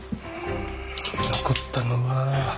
残ったのは。